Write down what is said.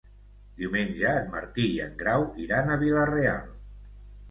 Diumenge en Martí i en Grau iran a Vila-real.